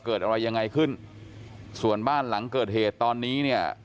เกิดอะไรยังไงขึ้นส่วนบ้านหลังเกิดเหตุตอนนี้เนี่ย